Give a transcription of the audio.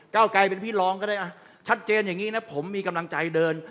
เก้าไกลเป็นพี่รองก็ได้ชัดเจนอย่างนี้นะผมมีกำลังใจเดิน